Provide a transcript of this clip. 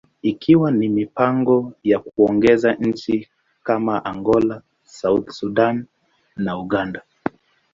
ikiwa na mipango ya kuongeza nchi kama Angola, South Sudan, and Uganda.